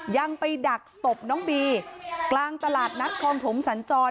ยังไปดักตบน้องบีกลางตลาดนัดคลองถมสัญจร